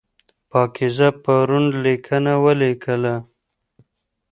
پاکیزه پرون لیکنه ولیکله.